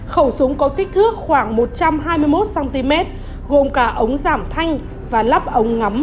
khẩu súng có kích thước khoảng một trăm hai mươi một cm gồm cả ống giảm thanh và lắp ống ngắm